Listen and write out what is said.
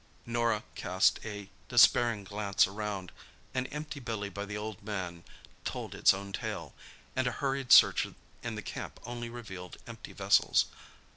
Norah cast a despairing glance around. An empty billy by the old man told its own tale, and a hurried search in the camp only revealed empty vessels.